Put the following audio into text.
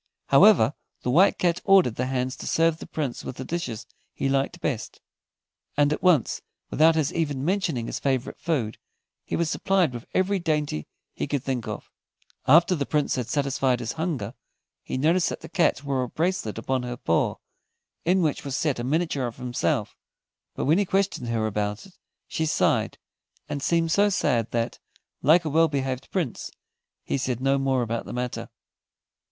However, the White Cat ordered the hands to serve the Prince with the dishes he liked best, and at once, without his even mentioning his favorite food, he was supplied with every dainty he could think of. After the Prince had satisfied his hunger, he noticed that the Cat wore a bracelet upon her paw, in which was set a miniature of himself; but when he questioned her about it, she sighed, and seemed so sad that, like a well behaved Prince, he said no more about the matter.